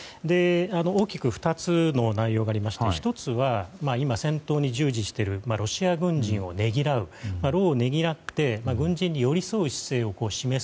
大きく２つの内容がありまして１つは今、戦闘に従事しているロシア軍人をねぎらう労をねぎらって軍人に寄り添う姿勢を示す。